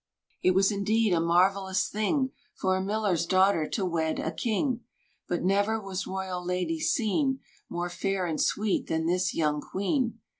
It was indeed a marvellous thing For a miller's daughter to wed a king; But never was royal lady seen More fair and sweet than this young queen.